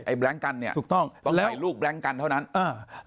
ไอ้แบรงค์กันเนี่ยต้องใส่ลูกแบรงค์กันเท่านั้นถูกต้อง